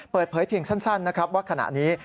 เปิดเผยเพียงสั้นนะครับว่าขณะนี้